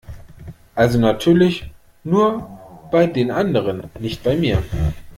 Also natürlich nur bei den anderen, nicht bei mir!